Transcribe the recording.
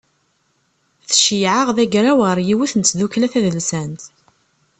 Tceggeɛ-aɣ d agraw ɣer yiwet n tdukla tadelsant.